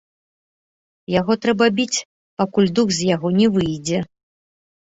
Яго трэба біць, пакуль дух з яго не выйдзе.